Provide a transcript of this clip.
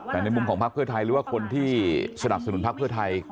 แต่ในมุมของพักเพื่อไทยหรือว่าคนที่สนับสนุนพักเพื่อไทย